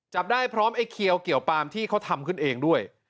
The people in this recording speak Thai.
จับได้พร้อมไอ้เขียวเกี่ยวปามที่เขาทำขึ้นเองด้วย